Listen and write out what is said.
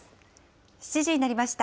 ７時になりました。